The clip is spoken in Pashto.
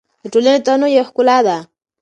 د ټولنې تنوع یو ښکلا ده.